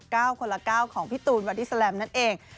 ก้าวคนละก้าวของพี่ตูนวัฒนีสลัมนั่นเอง